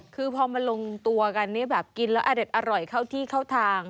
คือพอมาลงตัวกันเนี่ยแบบกินแล้วอเด็ดอร่อยเข้าที่เข้าทาง